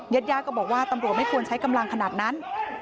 ญาติย่าก็บอกว่าตำรวจไม่ควรใช้กำลังขนาดนั้น